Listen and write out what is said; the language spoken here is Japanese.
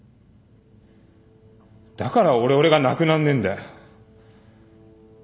だからオレオレがなくなんねえんだよ。